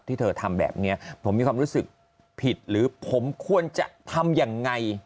ที่เธอทำแบบนี้ผมมีความรู้สึกผิดหรือผมควรจะทำยังไง